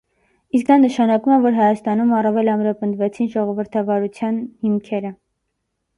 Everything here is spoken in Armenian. Իսկ դա նշանակում է, որ Հայաստանում առավել ամրապնդվեցին ժողովրդավարության հիմքերը։